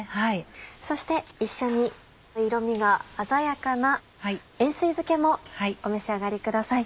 そして一緒に色みが鮮やかな塩水漬けもお召し上がりください。